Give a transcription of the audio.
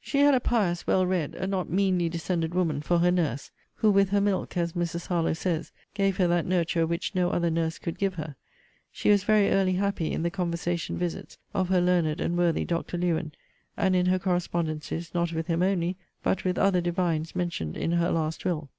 She had a pious, a well read, a not meanly descended woman for her nurse, who with her milk, as Mrs. Harlowe says,* gave her that nurture which no other nurse could give her. She was very early happy in the conversation visits of her learned and worthy Dr. Lewen, and in her correspondencies, not with him only, but with other divines mentioned in her last will.